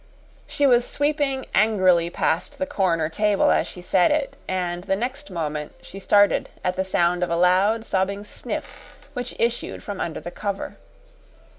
She was sweeping angrily past the corner table as she said it, and the next moment she started at the sound of a loud, sobbing sniff which issued from under the cover.